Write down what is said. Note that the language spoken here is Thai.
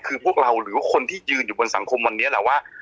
คือพวกเราหรือว่าคนที่ยืนอยู่บนสังคมวันนี้แหละว่า